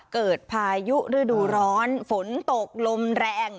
พายุฤดูร้อนฝนตกลมแรง